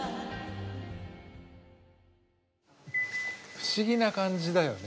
不思議な感じだよね。